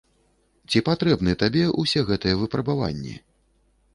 Ці патрэбны табе ўсе гэтыя выпрабаванні?